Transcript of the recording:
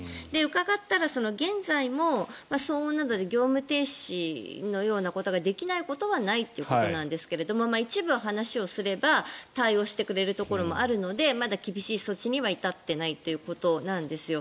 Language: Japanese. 伺ったら現在も騒音などで業務停止のようなことができないことはないということですが一部は話をすれば対応してくれるところもあるのでまだ厳しい措置には至ってないということなんですよ。